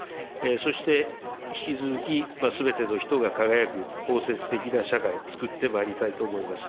そして引き続き、すべての人が輝く包摂的な社会、つくってまいりたいと思います。